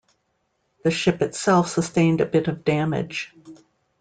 The ship itself sustained a bit of damage.